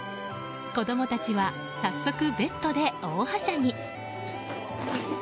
子供たちは早速ベッドで大はしゃぎ。